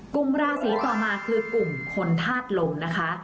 กลุ่มราศีต่อมาคือกลุ่มคนธาตุลมนะคะ